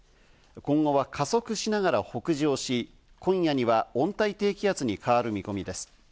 今後は加速しながら北上し、今夜には温帯低気圧に変わる見込みです。